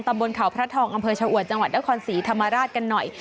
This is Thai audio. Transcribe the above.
บนเขาพระทองอำเภอชะอวดจังหวัดนครศรีธรรมราชกันหน่อย